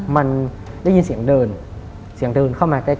มันได้ยินเสียงเดินเสียงเดินเข้ามาใกล้